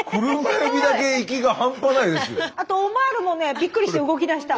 あとオマールもねびっくりして動きだした。